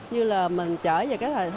như là mình chở về cái thời